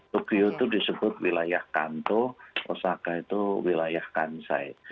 tokyo itu disebut wilayah kanto osaka itu wilayah kansai